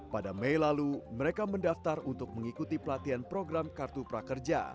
pada mei lalu mereka mendaftar untuk mengikuti pelatihan program kartu prakerja